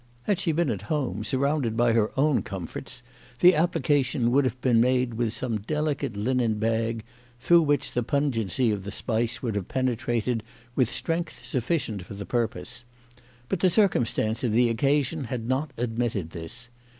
Had she been at home, sur rounded by her own comforts, the application would have been made with, some delicate linen bag, through which the pungency of the spice would have penetrated with, strength sufficient for the purpose. But the cir cumstance of the occasion had not admitted this.